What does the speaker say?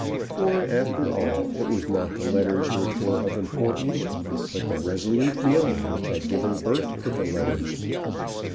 For, after all, it was not the letters which were of importance, but the resolute feeling which had given birth to the letters.